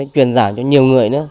chuyên giảng cho nhiều người nữa